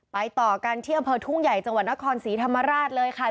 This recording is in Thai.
ต่อกันที่อำเภอทุ่งใหญ่จังหวัดนครศรีธรรมราชเลยค่ะ